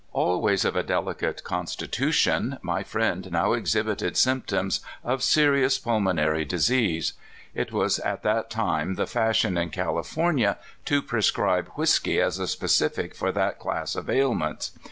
Always of a delicate constitution, my friend now exhibited symptoms of serious pul monary disease. It was at that time the fashion in California to prescribe whisky as a specific for that class of ailments.